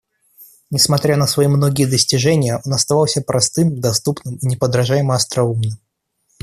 Несмотря на свои многие достижения, он оставался простым, доступным и неподражаемо остроумным.